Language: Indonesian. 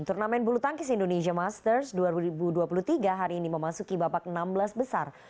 turnamen bulu tangkis indonesia masters dua ribu dua puluh tiga hari ini memasuki babak enam belas besar